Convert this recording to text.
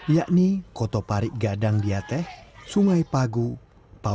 yakni koto parik gadang diateh sungai pagu pauh